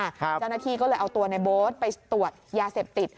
เจ้าหน้าที่ก็เลยเอาตัวในโบ๊ทไปตรวจยาเสพติด